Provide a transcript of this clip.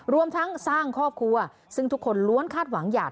รวมทั้งสร้างครอบครัวซึ่งทุกคนล้วนคาดหวังอยาก